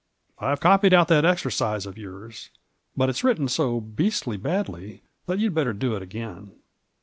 " I've copied out that exercise of yours, but it's written so beastly badly that you'd better do it again."